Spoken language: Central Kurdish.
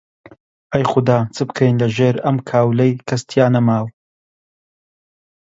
ئەی خودا چ بکەین لەژێر ئەم کاولەی کەس تیا نەماو؟!